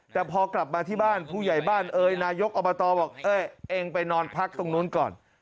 แต่พอกลับมาที่บ้านผู้ใหญ่บ้านเอ้ยนายกอบตบอกเอ้ยเองไปนอนพักตรงนู้นก่อน